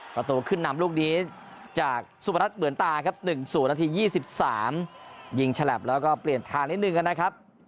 ประตูขึ้นนำลูกนี้จากสุพนัทเหมือนตาครับ๑๐นาที๒๓ยิงฉลับแล้วก็เปลี่ยนทางนิดนึงนะครับ